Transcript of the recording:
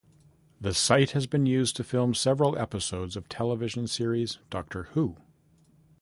The site has been used to film several episodes of television series Doctor Who.